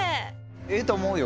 ええと思うよ。